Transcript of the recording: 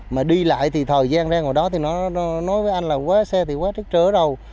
mà đi lại thì thời gian ra ngoài đó thì nó nói với anh là quá xe thì quá trích trớ rồi